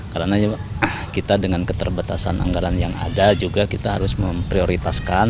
karena kita dengan keterbatasan anggaran yang ada juga kita harus memprioritaskan